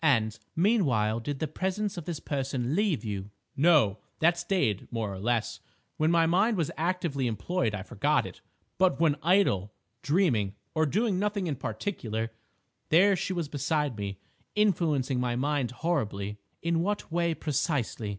"And, meanwhile, did the presence of this person leave you?" "No; that stayed more or less. When my mind was actively employed I forgot it, but when idle, dreaming, or doing nothing in particular, there she was beside me, influencing my mind horribly—" "In what way, precisely?"